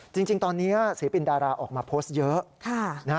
จริงตอนนี้ศิลปินดาราออกมาโพสต์เยอะ